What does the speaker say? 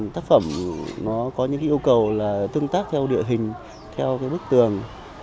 tác phẩm nó có những yêu cầu là tương tác theo địa hình theo cái bức tường